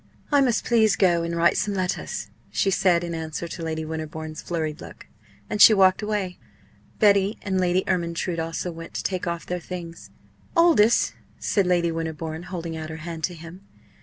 "I must please go and write some letters," she said, in answer to Lady Winterbourne's flurried look. And she walked away. Betty and Lady Ermyntrude also went to take off their things. "Aldous!" said Lady Winterbourne, holding out her hand to him.